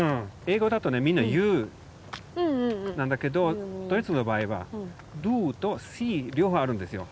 英語だとねみんなＹｏｕなんだけどドイツの場合はＤｕとＳｉｅ両方あるんですよ。